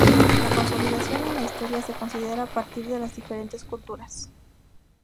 La consolidación en la historia se considera a partir de las diferentes culturas.